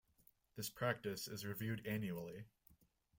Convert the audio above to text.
This practice is reviewed annually.